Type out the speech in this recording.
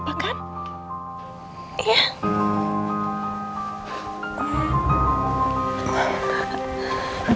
makanya rasa sollten plank